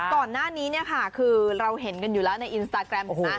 ก่อนหน้านี้เนี่ยค่ะคือเราเห็นกันอยู่แล้วในอินสตาแกรมของนะ